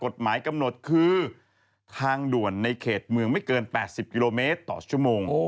ทางด่วนในเขตเมืองไม่เกิน๘๐กิโลเมตรต่อชั่วโมง